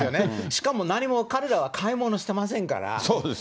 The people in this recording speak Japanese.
しかも何も彼らは買い物してませんから。